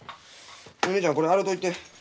お姉ちゃんこれ洗といて。